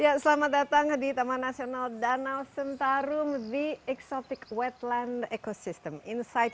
ya selamat datang di taman nasional danau sentarum the exotic wetland ecosystem insight